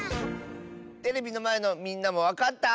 テレビのまえのみんなもわかった？